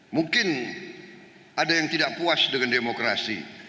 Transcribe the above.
mungkin ada yang tidak puas dengan demokrasi